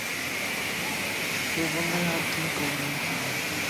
সে বললে, আজ্ঞে, কম কী!